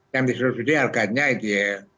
yang di subsidi harganya itu ya